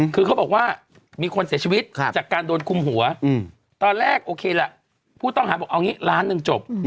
คือเขาบอกว่ามีคนเสียชีวิตจากการโดนคุมหัวตอนแรกโอเคแหละผู้ต้องหาบอกเอางี้ล้านหนึ่งจบ